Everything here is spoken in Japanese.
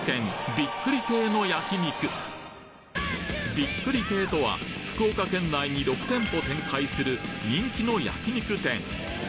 「びっくり亭」とは福岡県内に６店舗展開する人気の焼肉店